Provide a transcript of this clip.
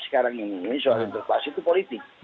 sekarang ini soal interpelasi itu politik